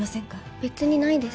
別にないです。